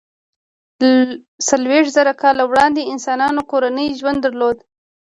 څلویښت زره کاله وړاندې انسانانو کورنی ژوند درلود.